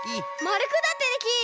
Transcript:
まるくだってできる！